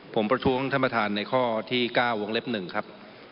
ผมประท้วงท่านประธานในข้อที่๙วงเล็บ๑ครับ